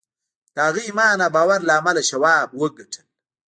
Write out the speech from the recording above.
د هغه ایمان او باور له امله شواب وګټل